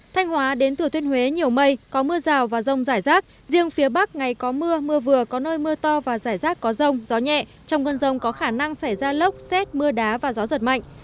thanh hóa đến từ thuyết huế nhiều mây có mưa rào và rông rải rác riêng phía bắc ngày có mưa mưa vừa có nơi mưa to và rải rác có rông gió nhẹ trong cơn rông có khả năng xảy ra lốc xét mưa đá và gió giật mạnh